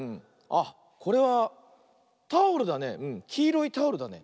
あっこれはタオルだね。